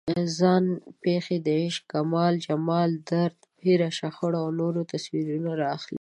ځان پېښې د عشق، کمال، جمال، درد، ویر، شخړو او نورو تصویرونه راخلي.